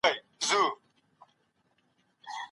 موږ پرتله نه کوو.